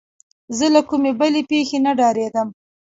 زه له کومې بلې پېښې نه ډارېدم.